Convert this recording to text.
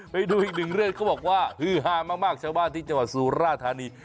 ไปดูอีกหนึ่งเรื่องเขาบอกว่าฮือฮามากชาวบ้านที่จังหวัดสุราธานี